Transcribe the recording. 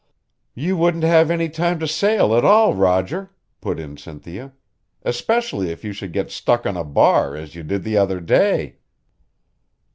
"You wouldn't have any time to sail at all, Roger," put in Cynthia. "Especially if you should get stuck on a bar as you did the other day."